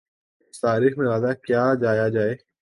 اس تاریخ میں زیادہ کیا جایا جائے۔